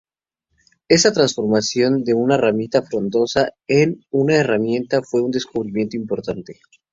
Esta transformación de una ramita frondosa en una herramienta fue un descubrimiento importante.